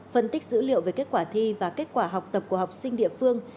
phân tích dữ liệu về kết quả thi và kết quả học tập của học sinh địa phương